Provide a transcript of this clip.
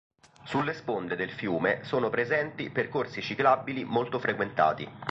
Sulle sponde del fiume sono presenti percorsi ciclabili molto frequentati.